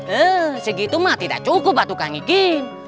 eh segitu mah tidak cukup batu kang ikin